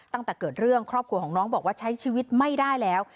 ตั้งแต่เกิดเรื่องครอบครัวของน้องบอกว่าใช้ชีวิตไม่ได้แล้ว